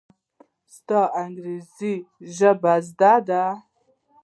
ستا انګرېزي ژبه زده ده!